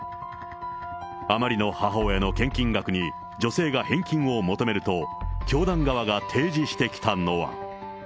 あまりの母親の献金額に、女性が返金を求めると、教団側が提示してきたのは。